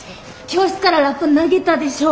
教室からラッパ投げたでしょ。